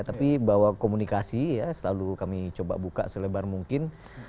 tapi bahwa komunikasi ya selalu kami coba buka selebar mungkin